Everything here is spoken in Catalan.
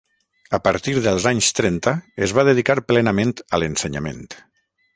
A partir dels anys trenta es va dedicar plenament a l'ensenyament.